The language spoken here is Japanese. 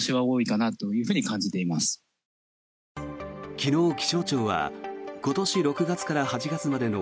昨日、気象庁は今年６月から８月までの